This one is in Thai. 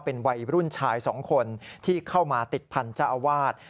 เป็นวัยรุ่นชายสองคนที่เข้ามาติดพันธุ์เจ้าอาวาส